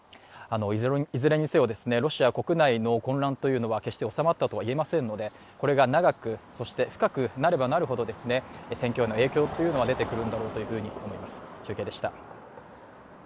いずれにせよロシア国内での混乱は収まったとは決して言えませんのでこれが長く、そして深くなればなるほど戦況への影響というのは出てくるんだろうと思います。